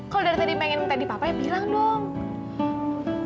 kalau dari tadi pengen tadi papanya bilang dong